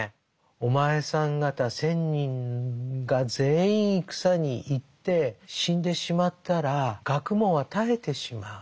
「お前さん方千人が全員戦に行って死んでしまったら学問は絶えてしまう。